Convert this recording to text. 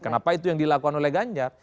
kenapa itu yang dilakukan oleh ganjar